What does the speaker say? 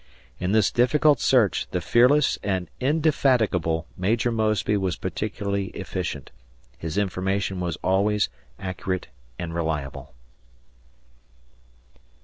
In this difficult search the fearless and indefatigable Maj. Mosby was particularly efficient. His information was always accurate and reliable.